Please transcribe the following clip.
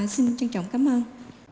xin trân trọng cảm ơn